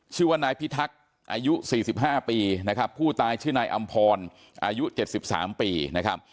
ชื่อว่านายพิทักษ์อายุ๔๕ปีนะครับผู้ตายชื่อนายอำพรอายุ๗๓ปีนะครับ